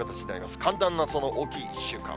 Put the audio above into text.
寒暖の差の大きい１週間。